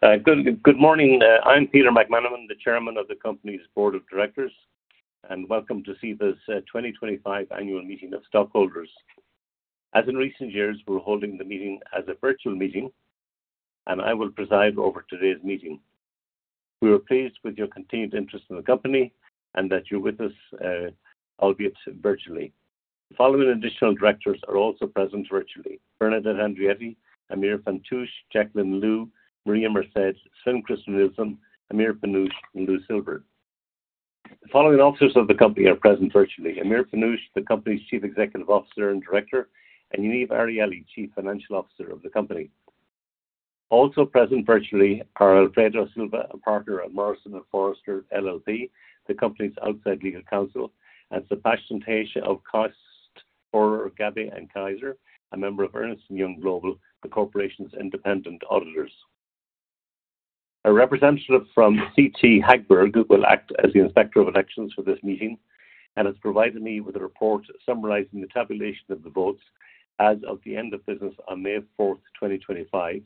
Good morning. I'm Peter McManamon, the Chairman of the company's Board of Directors, and welcome to CEVA's 2025 annual meeting of stockholders. As in recent years, we're holding the meeting as a virtual meeting, and I will preside over today's meeting. We are pleased with your continued interest in the company and that you're with us, albeit virtually. The following additional directors are also present virtually: Bernadette Andrietti, Amir Panush, Jacqueline Liu, Maria Marced, Sven-Christer Nilsson, Amir Panush, and Louis Silver. The following officers of the company are present virtually: Amir Panush, the company's Chief Executive Officer and Director, and Yaniv Arieli, Chief Financial Officer of the company. Also present virtually are Alfredo Silva, a partner of Morrison & Foerster LLP, the company's outside legal counsel, and Sebastian Teich of Kost Forer Gabbay & Kasierer, a member of Ernst & Young Global, the corporation's independent auditors. A representative from CT Hagberg will act as the inspector of elections for this meeting and has provided me with a report summarizing the tabulation of the votes as of the end of business on May 4th, 2025,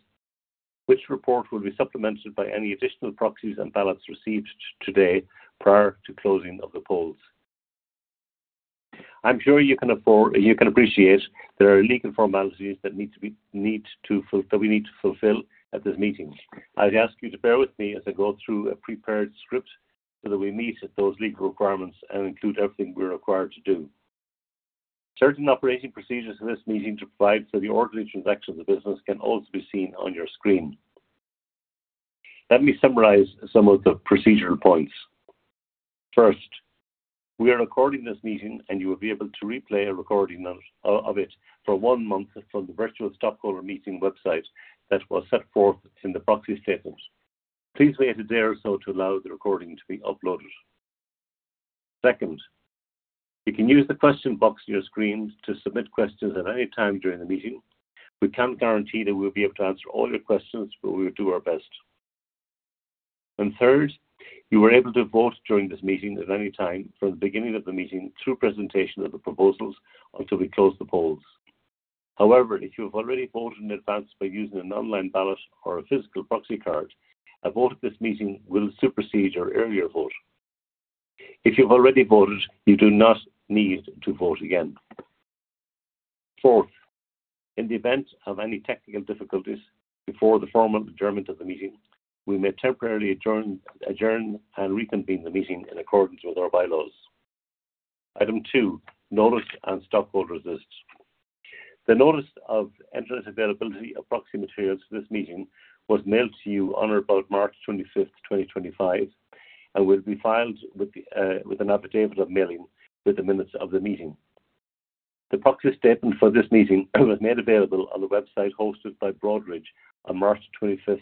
which report will be supplemented by any additional proxies and ballots received today prior to closing of the polls. I'm sure you can appreciate there are legal formalities that we need to fulfill at this meeting. I'd ask you to bear with me as I go through a prepared script so that we meet those legal requirements and include everything we're required to do. Certain operating procedures for this meeting to provide for the ordinary transactions of business can also be seen on your screen. Let me summarize some of the procedural points. First, we are recording this meeting, and you will be able to replay a recording of it for one month from the virtual stockholder meeting website that was set forth in the proxy statement. Please wait a day or so to allow the recording to be uploaded. Second, you can use the question box on your screen to submit questions at any time during the meeting. We can't guarantee that we'll be able to answer all your questions, but we will do our best. Third, you were able to vote during this meeting at any time from the beginning of the meeting through presentation of the proposals until we close the polls. However, if you have already voted in advance by using an online ballot or a physical proxy card, a vote at this meeting will supersede your earlier vote. If you've already voted, you do not need to vote again. Fourth, in the event of any technical difficulties before the formal adjournment of the meeting, we may temporarily adjourn and reconvene the meeting in accordance with our bylaws. Item two, notice and stockholder list. The Notice of Internet Availability of Proxy Materials for this meeting was mailed to you on or about March 25th, 2025, and will be filed with an affidavit of mailing with the minutes of the meeting. The proxy statement for this meeting was made available on the website hosted by Broadridge on March 25th,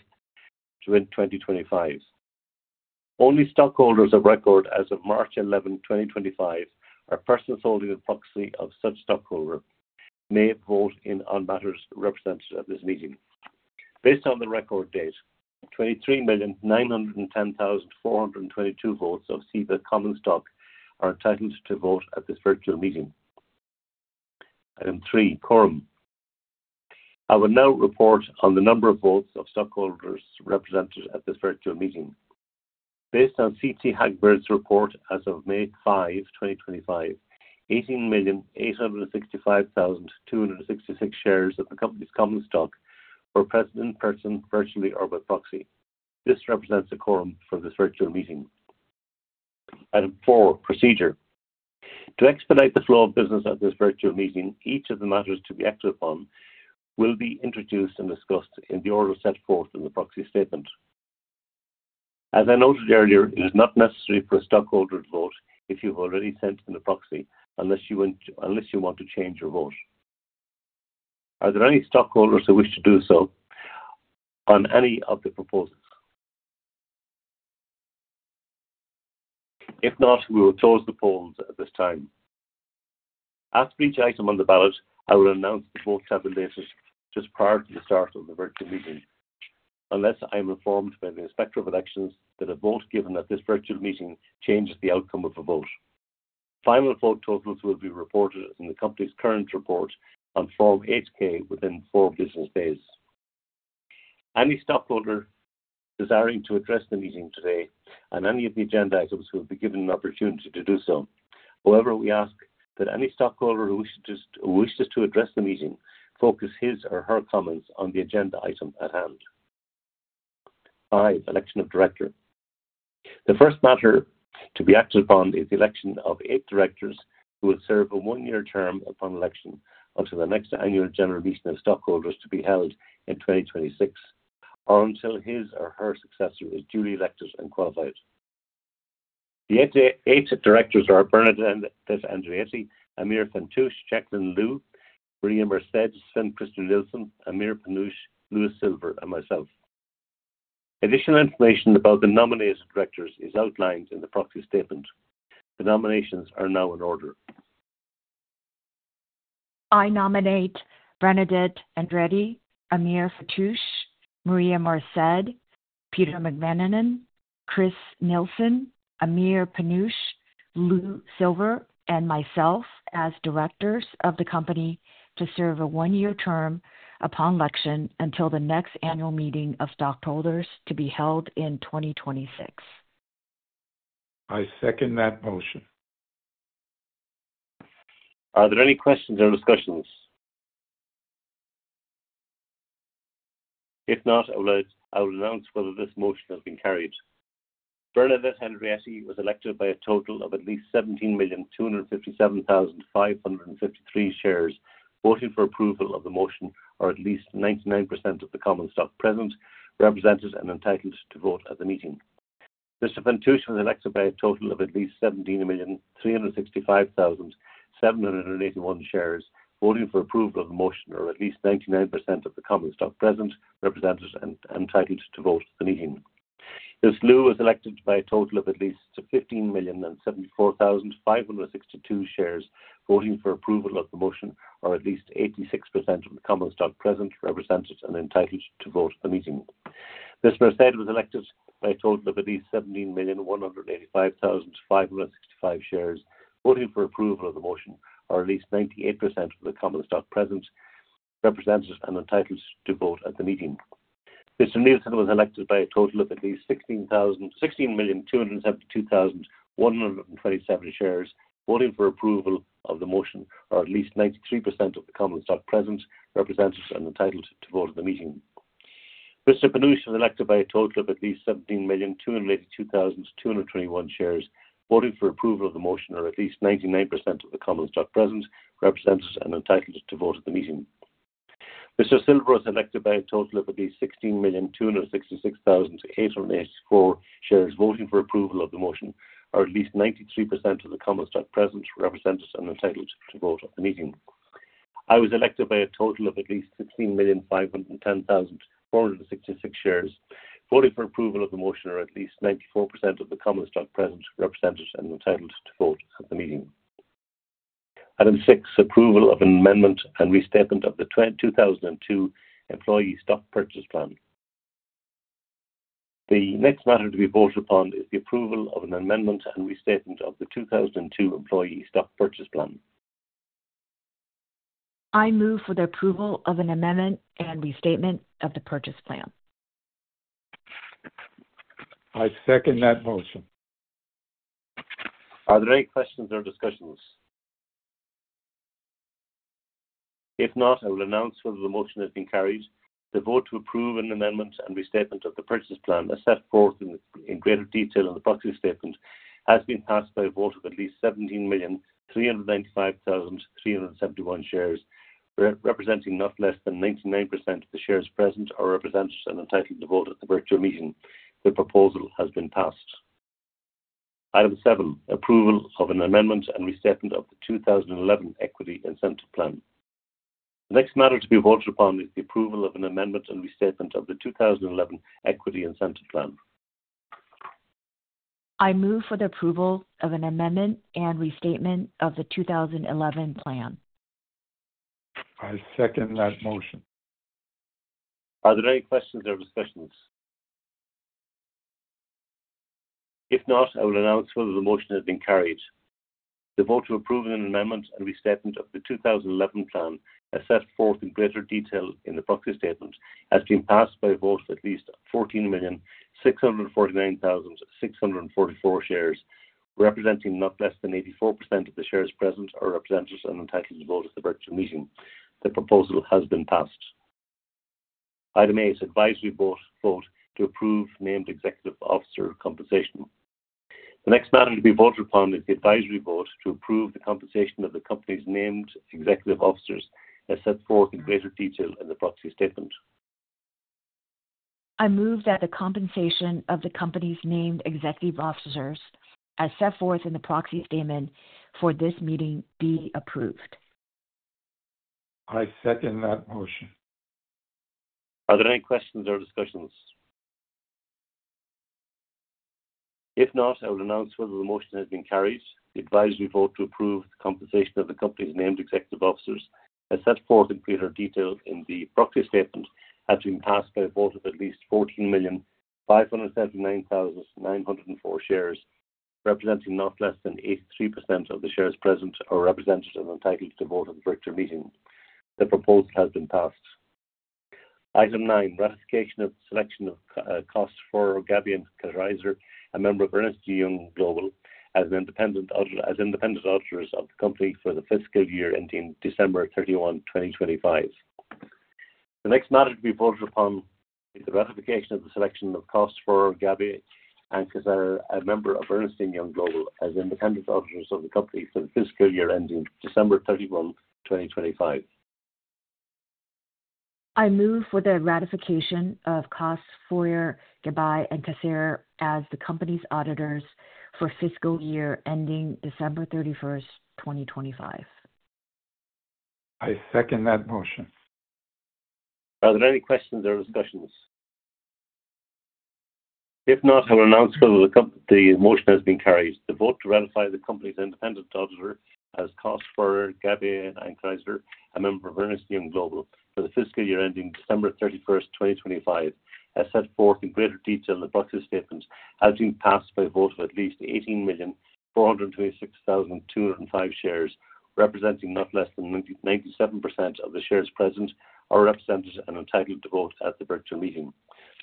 2025. Only stockholders of record as of March 11, 2025, or persons holding a proxy of such stockholder may vote in on matters represented at this meeting. Based on the record date, 23,910,422 votes of CEVA Common Stock are entitled to vote at this virtual meeting. Item three, quorum. I will now report on the number of votes of stockholders represented at this virtual meeting. Based on CT Hagberg's report as of May 5, 2025, 18,865,266 shares of the company's common stock were present in person, virtually, or by proxy. This represents a quorum for this virtual meeting. Item four, procedure. To expedite the flow of business at this virtual meeting, each of the matters to be acted upon will be introduced and discussed in the order set forth in the proxy statement. As I noted earlier, it is not necessary for a stockholder to vote if you've already sent in a proxy unless you want to change your vote. Are there any stockholders who wish to do so on any of the proposals? If not, we will close the polls at this time. As for each item on the ballot, I will announce the vote tabulation just prior to the start of the virtual meeting unless I am informed by the inspector of elections that a vote given at this virtual meeting changes the outcome of the vote. Final vote totals will be reported in the company's current report on Form 8-K within four business days. Any stockholder desiring to address the meeting today and any of the agenda items will be given an opportunity to do so. However, we ask that any stockholder who wishes to address the meeting focus his or her comments on the agenda item at hand. Five, election of director. The first matter to be acted upon is the election of eight directors who will serve a one-year term upon election until the next annual general meeting of stockholders to be held in 2026 or until his or her successor is duly elected and qualified. The eight directors are Bernadette Andrietti, Amir Panush, Jacqueline Liu, Maria Marced, Sven-Christer Nilsson, Amir Panush, Louis Silver, and myself. Additional information about the nominated directors is outlined in the proxy statement. The nominations are now in order. I nominate Bernadette Andrietti, Amir Panush, Maria Marced, Peter McManamon, Sven-Christer Nilsson, Amir Panush, Louis Silver, and myself as directors of the company to serve a one-year term upon election until the next annual meeting of stockholders to be held in 2026. I second that motion. Are there any questions or discussions? If not, I will announce whether this motion has been carried. Bernadette Andrietti was elected by a total of at least 17,257,553 shares. Voting for approval of the motion, or at least 99% of the common stock present, represented and entitled to vote at the meeting. Mr. Panush was elected by a total of at least 17,365,781 shares. Voting for approval of the motion, or at least 99% of the common stock present, represented and entitled to vote at the meeting. Ms. Liu was elected by a total of at least 15,074,562 shares. Voting for approval of the motion, or at least 86% of the common stock present, represented and entitled to vote at the meeting. Ms. Marced was elected by a total of at least 17,185,565 shares. Voting for approval of the motion, or at least 98% of the common stock present, represented and entitled to vote at the meeting. Mr. Nilsson was elected by a total of at least 16,272,127 shares. Voting for approval of the motion, or at least 93% of the common stock present, represented and entitled to vote at the meeting. Mr. Panush was elected by a total of at least 17,282,221 shares. Voting for approval of the motion, or at least 99% of the common stock present, represented and entitled to vote at the meeting. Mr. Silver was elected by a total of at least 16,266,884 shares. Voting for approval of the motion, or at least 93% of the common stock present, represented and entitled to vote at the meeting. I was elected by a total of at least 16,510,466 shares. Voting for approval of the motion, or at least 94% of the common stock present, represented and entitled to vote at the meeting. Item six, approval of an amendment and restatement of the 2002 Employee Stock Purchase Plan. The next matter to be voted upon is the approval of an amendment and restatement of the 2002 Employee Stock Purchase Plan. I move for the approval of an amendment and restatement of the purchase plan. I second that motion. Are there any questions or discussions? If not, I will announce whether the motion has been carried. The vote to approve an amendment and restatement of the purchase plan as set forth in greater detail in the proxy statement has been passed by a vote of at least 17,395,371 shares, representing not less than 99% of the shares present or represented and entitled to vote at the virtual meeting. The proposal has been passed. Item seven, approval of an amendment and restatement of the 2011 Equity Incentive Plan. The next matter to be voted upon is the approval of an amendment and restatement of the 2011 Equity Incentive Plan. I move for the approval of an amendment and restatement of the 2011 Equity Incentive Plan. I second that motion. Are there any questions or discussions? If not, I will announce whether the motion has been carried. The vote to approve an amendment and restatement of the 2011 Equity Incentive Plan as set forth in greater detail in the proxy statement has been passed by a vote of at least 14,649,644 shares, representing not less than 84% of the shares present or represented and entitled to vote at the virtual meeting. The proposal has been passed. Item eight, advisory vote to approve named executive officer compensation. The next matter to be voted upon is the advisory vote to approve the compensation of the company's named executive officers as set forth in greater detail in the proxy statement. I move that the compensation of the company's named executive officers as set forth in the proxy statement for this meeting be approved. I second that motion. Are there any questions or discussions? If not, I will announce whether the motion has been carried. The advisory vote to approve the compensation of the company's named executive officers as set forth in greater detail in the proxy statement has been passed by a vote of at least 14,579,904 shares, representing not less than 83% of the shares present or represented and entitled to vote at the virtual meeting. The proposal has been passed. Item nine, ratification of selection of Kost Forer Gabbay & Kasierer, a member of Ernst & Young Global, as independent auditors of the company for the fiscal year ending December 31, 2025. The next matter to be voted upon is the ratification of the selection of Kost Forer Gabbay & Kasierer, a member of Ernst & Young Global, as independent auditors of the company for the fiscal year ending December 31, 2025. I move for the ratification of Kost Forer Gabbay & Kasierer as the company's auditors for fiscal year ending December 31, 2025. I second that motion. Are there any questions or discussions? If not, I will announce whether the motion has been carried. The vote to ratify the company's independent auditor as Kost Forer Gabbay & Kasierer, a member of Ernst & Young Global, for the fiscal year ending December 31, 2025, as set forth in greater detail in the proxy statement, has been passed by a vote of at least 18,426,205 shares, representing not less than 97% of the shares present or represented and entitled to vote at the virtual meeting.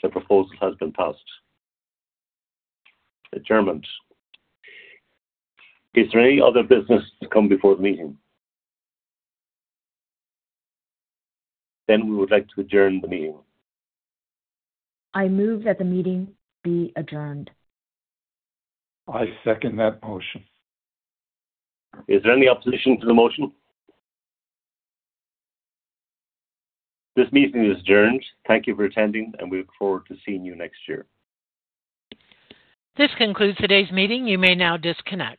The proposal has been passed. Adjournment. Is there any other business to come before the meeting? We would like to adjourn the meeting. I move that the meeting be adjourned. I second that motion. Is there any opposition to the motion? This meeting is adjourned. Thank you for attending, and we look forward to seeing you next year. This concludes today's meeting. You may now disconnect.